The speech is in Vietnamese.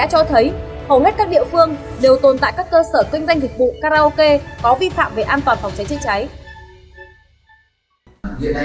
hầu hết các địa phương đều tồn tại các cơ sở kinh doanh dịch vụ karaoke có vi phạm về an toàn phòng cháy chết cháy